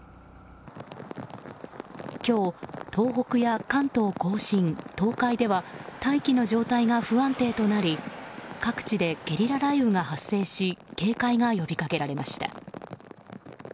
今日、東北や関東・甲信、東海では大気の状態が不安定となり各地でゲリラ雷雨が発生し警戒が呼び掛けられました。